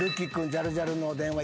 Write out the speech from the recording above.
ジャルジャルの「電話」